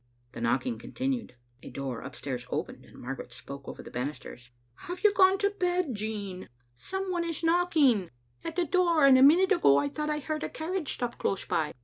The knocking continued; a door upstairs opened, and Margaret spoke over the banisters. " Have you gone to bed, Jean? Some one is knocking Digitized by VjOOQ IC 886 XSbc Kittle Aintoter. at the door, and a minute ago I thought I heard a car riage stop close by.